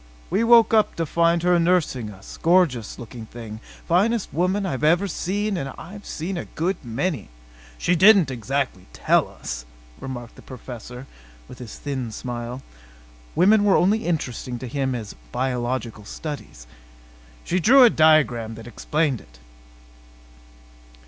We woke up to find her nursing us gorgeous looking thing finest woman I've ever seen, and I've seen a good many " "She didn't exactly 'tell' us," remarked the Professor with his thin smile. Women were only interesting to him as biological studies. "She drew a diagram that explained it.